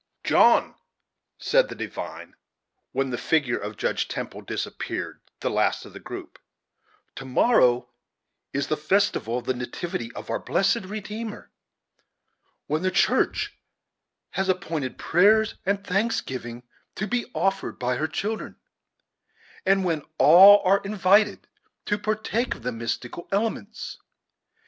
"John," said the divine, when the figure of Judge Temple disappeared, the last of the group, "to morrow is the festival of the nativity of our blessed Redeemer, when the church has appointed prayers and thanksgivings to be offered up by her children, and when all are invited to partake of the mystical elements.